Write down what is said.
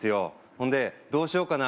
ほんでどうしようかな